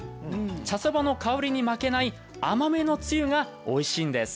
茶そばの香りに負けない甘めのつゆがおいしいんです。